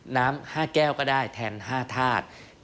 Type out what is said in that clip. น้ำ๕แก้วก็ได้แทน๕ธาตุ